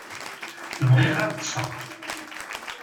Bɣiɣ ad tteɣ.